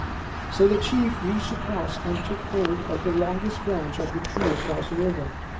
So the Chief reached across and took hold of the longest branch of the tree across the river.